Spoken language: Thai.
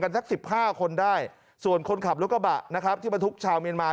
สักสิบห้าคนได้ส่วนคนขับรถกระบะนะครับที่บรรทุกชาวเมียนมา